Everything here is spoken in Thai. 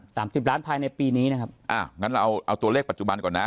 สิบล้านภายในปีนี้นะครับอ่างั้นเราเอาเอาตัวเลขปัจจุบันก่อนนะ